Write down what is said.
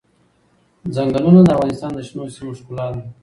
ځنګلونه د افغانستان د شنو سیمو ښکلا ده.